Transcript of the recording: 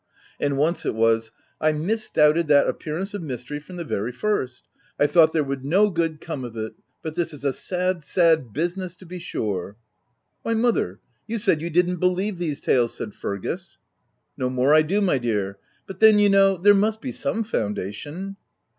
And once it was, —" I misdoubted that appearance of mystery from the very first — I thought there would no good come of it; but this is a sad, sad business to be sure !"" Why mother, you said you didn't believe these tales,' 5 said Fergus. " No more I do, my dear ; but then, you know, there must be some foundation.